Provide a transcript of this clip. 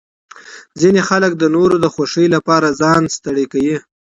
ځینې خلک د نورو د خوښۍ لپاره ځان ستړی کوي.